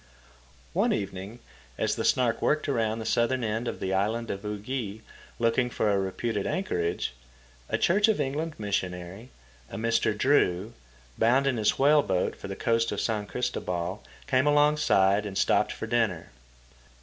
One evening, as the Snark worked around the southern end of the island of Ugi, looking for a reputed anchorage, a Church of England missionary, a Mr. Drew, bound in his whaleboat for the coast of San Cristoval, came alongside and stopped for dinner.